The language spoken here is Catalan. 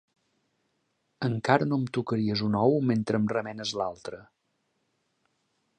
Encara no em tocaries un ou mentre em remenes l'altre!